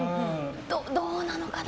どうなのかな。